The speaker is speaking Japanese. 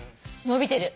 伸びてる？